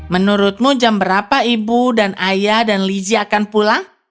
menurutmu jam berapa ibu dan ayah dan lizzie akan pulang